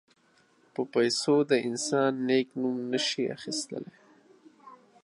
په پیسو د انسان نېک نوم نه شي اخیستلای.